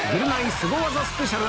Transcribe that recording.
スゴ技スペシャル